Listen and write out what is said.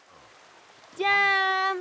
じゃん！